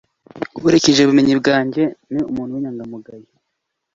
Nkurikije ubumenyi bwanjye, ni umuntu w'inyangamugayo.